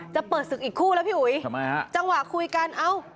จะเปิดศึกอีกคู่แล้วพี่อุ๋ยทำไมฮะจังหวะคุยกันเอ้า